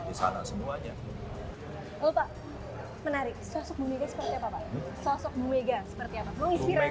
menginspirasi kepemimpinan bapak